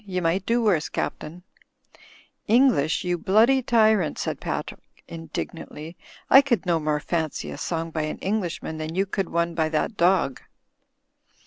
"You might do worse, Captain/' "English, you bloody t)rrant," said Patrick, indig nantly. "I could no more fancy a song by an English man than you could one by that dog."